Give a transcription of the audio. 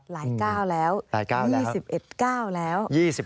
หลาย๙แล้ว๒๑๙แล้ว